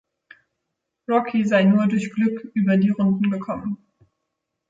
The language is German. Rocky sei nur durch "Glück" über die Runden gekommen.